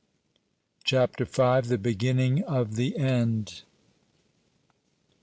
CHAPTER V. THE BEGINNING OF THE END.